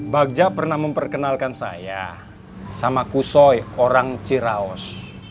bagja pernah memperkenalkan saya sama kusoi orang ciraos